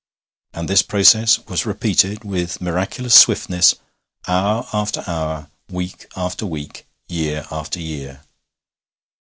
And this process was repeated, with miraculous swiftness, hour after hour, week after week, year after year.